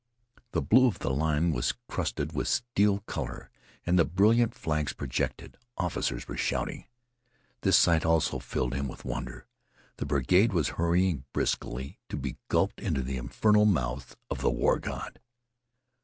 The blue of the line was crusted with steel color, and the brilliant flags projected. Officers were shouting. This sight also filled him with wonder. The brigade was hurrying briskly to be gulped into the infernal mouths of the war god.